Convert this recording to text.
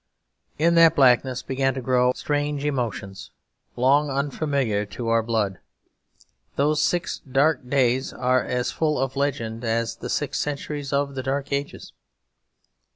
In that blackness began to grow strange emotions, long unfamiliar to our blood. Those six dark days are as full of legends as the six centuries of the Dark Ages.